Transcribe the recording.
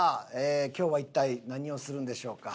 今日は一体何をするんでしょうか？